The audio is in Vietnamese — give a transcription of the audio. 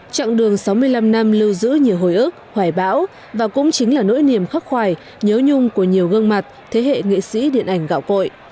trọng đường sáu mươi năm năm lưu giữ nhiều hồi ức hoài bão và cũng chính là nỗi niềm khắc khoài nhớ nhung của nhiều gương mặt thế hệ nghị sĩ điện ảnh gạo cội